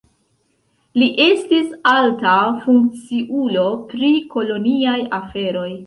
Li estis alta funkciulo pri koloniaj aferoj.